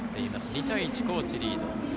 ２対１、高知がリード。